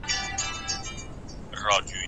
له ګاونډیانو سره مرسته وکړئ.